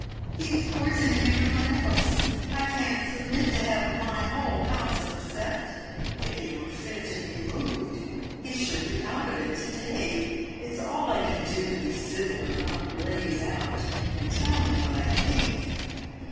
"He is poisoning every one else! I can't submit to have my whole house upset. If he were fit to be moved, he should be out of it to day. It's all I can do to be civil, and not blaze out, and tell him what I think!"